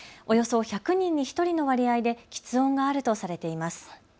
およそ１００人に１人の割合できつ音があるとされています。